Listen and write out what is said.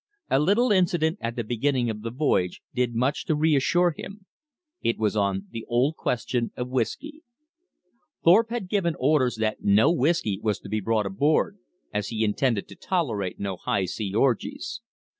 A little incident at the beginning of the voyage did much to reassure him. It was on the old question of whisky. Thorpe had given orders that no whisky was to be brought aboard, as he intended to tolerate no high sea orgies.